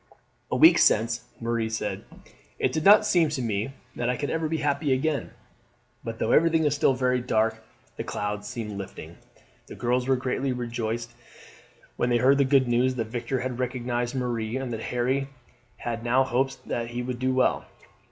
"A week since," Marie said, "it did not seem to me that I could ever be happy again; but though everything is still very dark, the clouds seem lifting." The girls were greatly rejoiced when they heard the good news that Victor had recognized Marie, and that Harry had now hopes that he would do well.